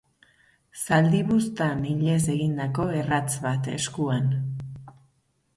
Zaldi buztan ilez egindako erratz bat eskuan.